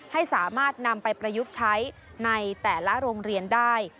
ให้สามารถนำไปประยุกต์ใช้ในแต่ละโรงเรียนได้